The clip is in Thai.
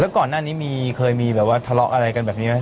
แล้วก่อนหน้านี้เคยมีทะเลาะอะไรกันแบบนี้ไหม